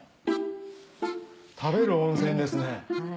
食べる温泉ですね。